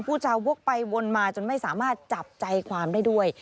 ผู้จาวกไปวนมาจนไม่สามารถจับใจความได้ด้วย